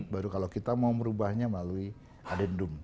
baru kalau kita mau merubahnya melalui adendum